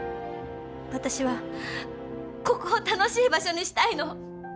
私はここを楽しい場所にしたいの。